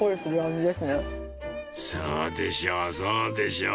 そうでしょう、そうでしょう。